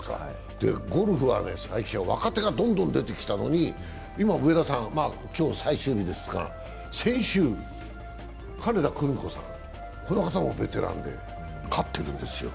ゴルフは最近は若手がどんどん出てきたのに、今、上田さん、今日最終日ですが、先週、金田久美子さん、この方もベテランで勝ってるんですよ。